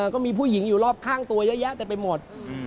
ก็มีผู้หญิงอยู่รอบข้างตัวเยอะแยะเต็มไปหมด